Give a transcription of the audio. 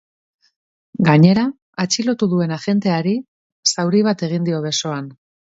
Gainera, atxilotu duen agenteari zauri bat egin dio besoan.